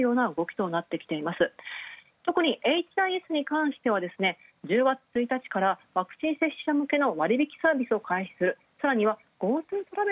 とくにＨＩＳに関しては１０月１日からワクチン接種向けの割引サービスを開始。